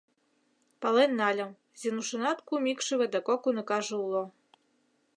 Пален нальым: Зинушынат кум икшыве да кок уныкаже уло.